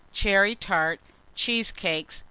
Cherry Tart. Cheesecakes.